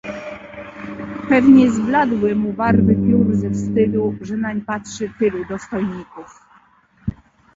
"Pewnie zbladły mu barwy piór ze wstydu, że nań patrzy tylu dostojników."